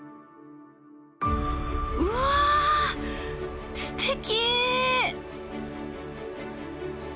うわすてき！